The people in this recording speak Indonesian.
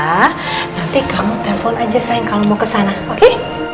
nanti kamu telepon aja sayang kalau mau kesana oke